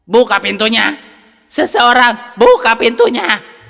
buka pintunya seseorang buka pintunya